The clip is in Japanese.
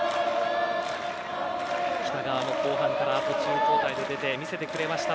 北川も後半から途中交代で出てみせてくれました。